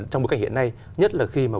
trong bối cảnh hiện nay nhất là khi mà